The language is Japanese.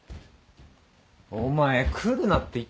お前来るなって言っただろ。